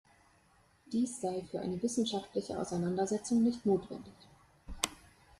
Dies sei für eine wissenschaftliche Auseinandersetzung nicht notwendig.